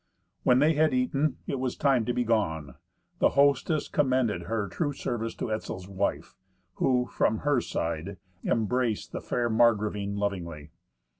When they had eaten, and it was time to be gone, the hostess commended her true service to Etzel's wife, who, from her side, embraced the fair Margravine lovingly.